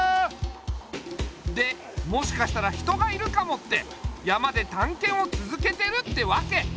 でもしかしたら人がいるかもって山でたんけんをつづけてるってわけ。